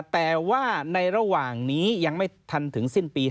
แต่ว่าในระหว่างนี้ยังไม่ทันถึงสิ้นปี